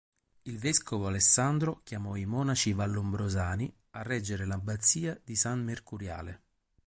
Il vescovo Alessandro chiamò i monaci Vallombrosani a reggere l'Abbazia di San Mercuriale.